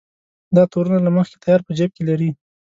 دا تورونه له مخکې تیار په جېب کې لري.